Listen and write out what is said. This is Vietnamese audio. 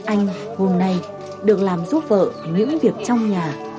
anh hôm nay được làm giúp vợ những việc trong nhà